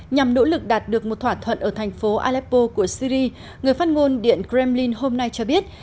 nhằm nỗ lực đạt được một thỏa thuận ở thành phố aleppo của syri người phát ngôn điện kremlin hôm nay cho biết